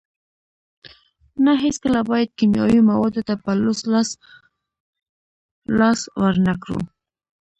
نه هیڅکله باید کیمیاوي موادو ته په لوڅ لاس لاس ورنکړو.